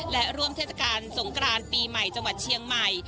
และร่วมเทศกาลสงกรานปีใหม่จังหวัดเชียงใหม่